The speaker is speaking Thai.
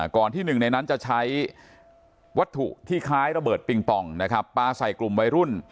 ที่หนึ่งในนั้นจะใช้วัตถุที่คล้ายระเบิดปิงปองนะครับปลาใส่กลุ่มวัยรุ่น